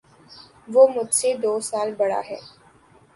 وہ مجھ سے دو سال بڑا ہے